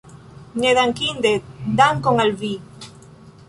Nedankinde, dankon al vi!